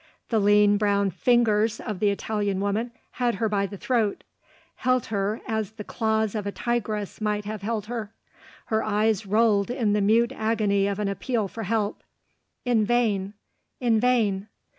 The lean brown fingers of the Italian woman had her by the throat held her as the claws of a tigress might have held her. Her eyes rolled in the mute agony of an appeal for help. In vain! in vain!